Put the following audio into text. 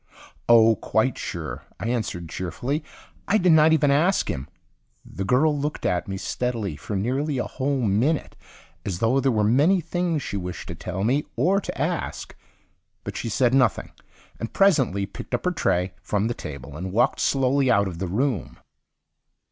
"Oh, quite sure," I answered cheerfully. "I did not even ask him." The girl looked at me steadily for nearly a whole minute as though there were many things she wished to tell me or to ask. But she said nothing, and presently picked up her tray from the table and walked slowly out of the room.